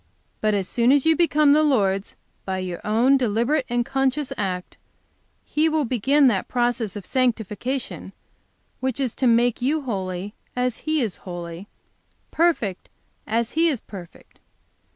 As soon as you become the Lord's by your own deliberate and conscious act, He will begin that process of sanctification which is to make you holy as He is holy, perfect as He is perfect.